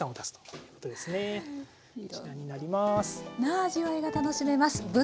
いろんな味わいが楽しめます。